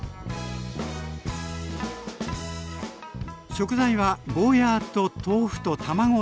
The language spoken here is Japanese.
食材はゴーヤーと豆腐と卵だけ。